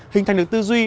hình thành được tư duy